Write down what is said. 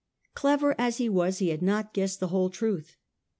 Clever as he was he had not guessed the whole truth.